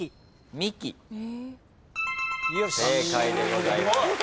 正解でございます。